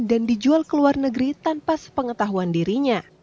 dan dijual ke luar negeri tanpa sepengetahuan dirinya